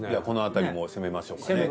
この辺りも攻めましょうかね。